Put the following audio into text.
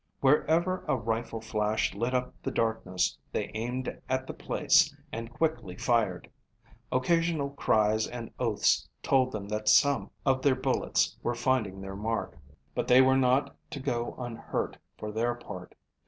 Wherever a rifle flash lit up the darkness they aimed at the place and quickly fired. Occasional cries and oaths told them that some of their bullets were finding their mark. But they were not to go unhurt for their part.